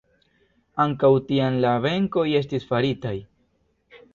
Ankaŭ tiam la benkoj estis faritaj.